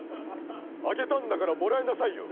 「あげたんだからもらいなさいよ」。